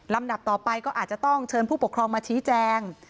ดับต่อไปก็อาจจะต้องเชิญผู้ปกครองมาชี้แจง